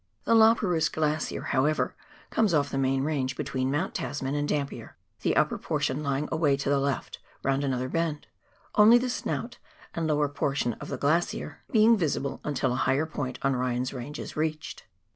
The La Perouse Glacier, however, comes off the main range between Mount Tasmun and Dampier, the upper portion lying away to the left round another bend, only the snout, and lower portion of the glacier L 146 PIONEER WOEK IN THE ALPS OF NEW ZEALAND. being visible until a higher point on Ryan's Range is reached.